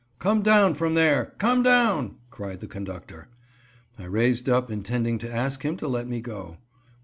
"Come down from there! Come down!" cried the conductor. I raised up intending to ask him to let me go.